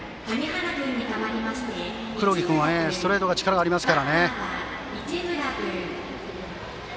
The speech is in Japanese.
黒木君はストレートに力がありますからね。